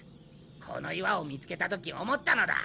この岩を見つけた時思ったのだ。